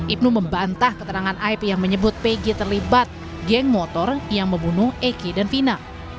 ibnu membantah keterangan aib yang menyebut pg terlibat geng motor yang membunuh eki dan vina